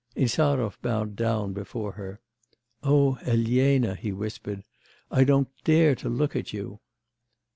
Insarov bowed down before her. 'O Elena!' he whispered, 'I don't dare to look at you.